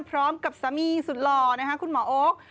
พร้อมกับสามีสุดหล่อนะคะคุณหมอโอ๊ค